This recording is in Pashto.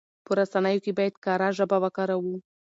په رسنيو کې بايد کره ژبه وکاروو.